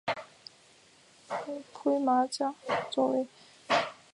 狭盔马先蒿黑毛亚种为玄参科马先蒿属下的一个亚种。